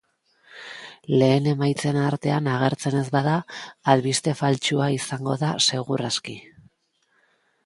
Lehen emaitzen artean agertzen ez bada, albiste faltsua izango da segur aski.